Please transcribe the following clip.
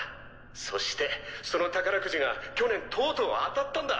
そしてその宝くじが去年とうとう当たったんだ！